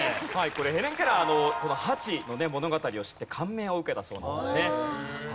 これヘレン・ケラーハチの物語を知って感銘を受けたそうなんですね。